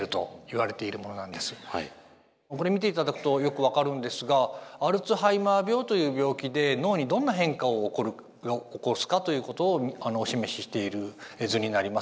これを見て頂くとよく分かるんですがアルツハイマー病という病気で脳にどんな変化を起こすかということをお示ししている図になります。